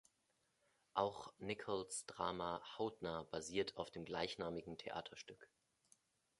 Auch Nichols Drama "Hautnah" basierte auf dem "gleichnamigen Theaterstück".